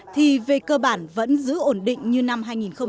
thì về cơ bản vẫn giữ ổn định như năm hai nghìn một mươi tám